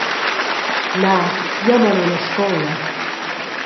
Na, jeu mon aunc a scola.